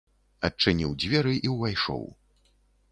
Адчыніў дзверы і ўвайшоў.